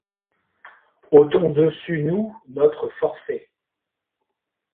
Ôtons de dessus nous notre forfait.